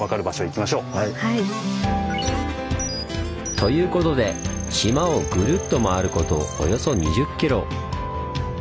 ということで島をグルッと回ることおよそ２０ｋｍ。